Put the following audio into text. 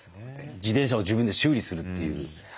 自転車を自分で修理するっていう。